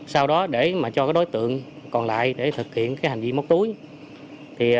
sau đó để cho đối tượng còn lại để thực hiện hành vi móc túi